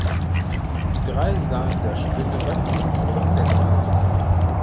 Die drei sahen der Spinne beim Weben ihres Netzes zu.